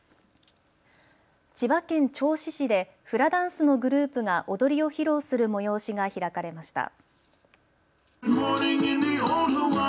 千葉県銚子市でフラダンスのグループが踊りを披露する催しが開かれました。